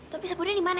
tapi sabunnya dimana ya